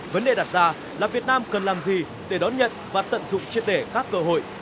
vấn đề đặt ra là việt nam cần làm gì để đón nhận và tận dụng triệt để các cơ hội